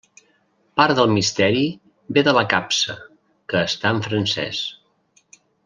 Part del misteri ve de la capsa, que està en francès.